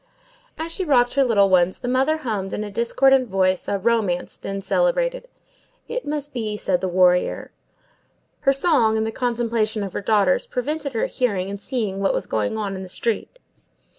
As she rocked her little ones, the mother hummed in a discordant voice a romance then celebrated:— "It must be, said a warrior." Her song, and the contemplation of her daughters, prevented her hearing and seeing what was going on in the street.